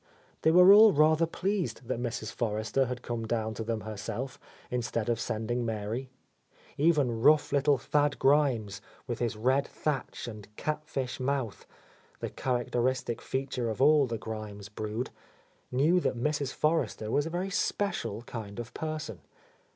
They were all rather pleased that Mrs. Forrester had come down to them herself, instead of sending Mary. Even rough little Thad Grimes, with his red thatch and catfish mouth — the characteristic fea ture of all the Grimes brood — ^l?new that Mrs. Forrester was a very special kind of person.